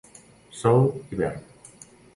Sol i vern.